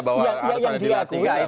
bahwa harus ada di latih